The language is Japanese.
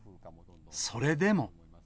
それでも。